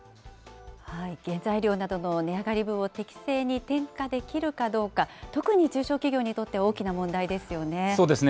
原材料などの値上がり分を適正に転嫁できるかどうか、特に中小企業にとっては大きな問題ですよね。